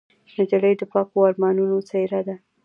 نجلۍ د پاکو ارمانونو څېره ده.